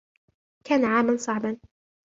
كان عاما صعبا